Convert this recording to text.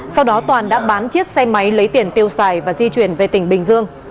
sau đó toàn đã bán chiếc xe máy lấy tiền tiêu xài và di chuyển về tỉnh bình dương